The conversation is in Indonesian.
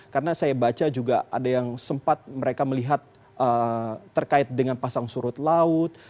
karena saya baca juga ada yang sempat mereka melihat terkait dengan pasang surut laut